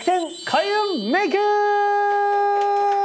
開運メイク。